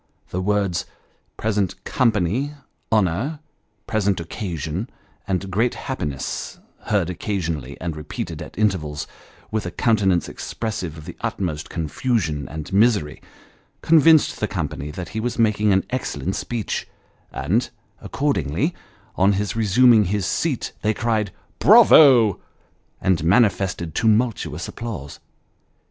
The words " present company honour present occasion," and " great happiness " heard occa sionally, and repeated at intervals, with a countenance expressive of the utmost confusion and misery, convinced the company that he was making an excellent speech ; and, accordingly, on his resuming his seat, they cried " Bravo !" and manifested tumultuous applause.